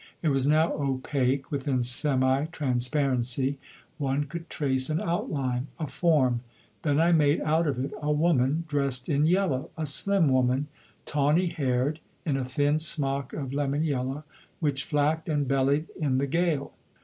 It was now opaque within semi transparency; one could trace an outline, a form. Then I made out of it a woman dressed in yellow; a slim woman, tawny haired, in a thin smock of lemon yellow which flacked and bellied in the gale.